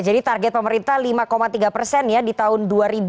jadi target pemerintah lima tiga persen ya di tahun dua ribu dua puluh tiga